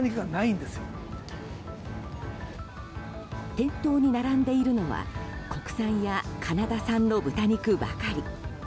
店頭に並んでいるのは国産やカナダ産の豚肉ばかり。